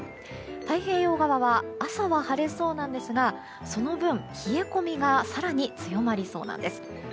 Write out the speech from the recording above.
太平洋側は朝は晴れそうなんですがその分、冷え込みが更に強まりそうなんです。